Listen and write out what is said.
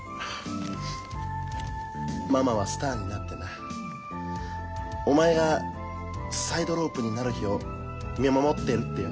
ママはスターになってなお前がサイドロープになる日を見守ってるってよ。